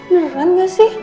beneran gak sih